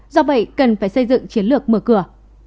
do vậy cần phải xây dựng chiến lược mở cửa